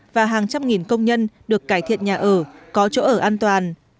và hàng trăm nghìn công nhân được cải thiện nhà ở có chỗ ở an toàn